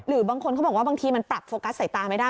หรือบางคนเขาบอกว่าบางทีมันปรับโฟกัสสายตาไม่ได้